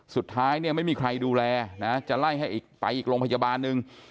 สุดท้ายเนี่ยไม่มีใครดูแลนะจะไล่ให้ไปอีกโรงพยาบาลหนึ่ง